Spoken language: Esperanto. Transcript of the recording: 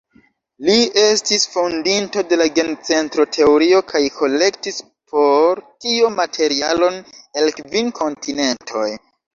Li estis fondinto de la gencentro-teorio kaj kolektis por tio materialon el kvin kontinentoj.